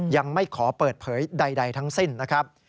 ยังไม่ขอเปิดเผยใดทั้งสิ้นนะครับ